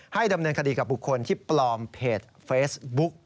ดำเนินคดีกับบุคคลที่ปลอมเพจเฟซบุ๊ก